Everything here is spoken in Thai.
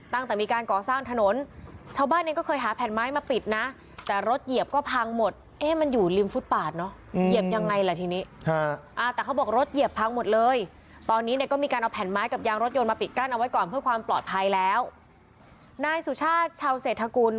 ตั้งแต่มีการก่อสร้างถนนชาวบ้านเองก็เคยหาแผ่นไม้มาปิดนะแต่รถเหยียบก็พังหมดเอ๊ะมันอยู่ริมฟุตปาดเนอะเหยียบยังไงล่ะทีนี้แต่เขาบอกรถเหยียบพังหมดเลยตอนนี้เนี่ยก็มีการเอาแผ่นไม้กับยางรถยนต์มาปิดกั้นเอาไว้ก่อนเพื่อความปลอดภัยแล้วนายสุชาติชาวเศรษฐกุล